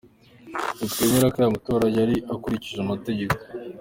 "Ntitwemera ko aya matora yari akurikije amategeko.